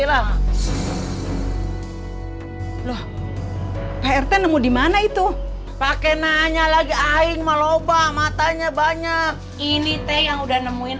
lho prt nemu dimana itu pakai nanya lagi aing maloba matanya banyak ini teh yang udah nemuin